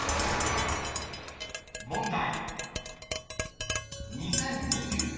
［問題］